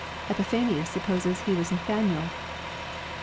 Epiphanius supposes he was Nathanael.